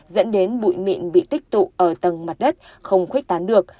dẫn đến bụi mịn bị tích tụ ở tầng mặt đất không khuếch tán được